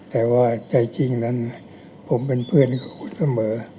แต่ว่าใจจริงนั้นผมเป็นเพื่อนเสมอ